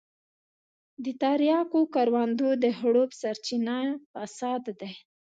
د تریاکو کروندو د خړوب سرچينه فساد دی.